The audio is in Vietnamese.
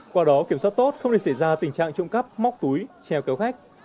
qua đó kiểm soát tốt không để xảy ra tình trạng trộm cắp móc túi treo kéo khách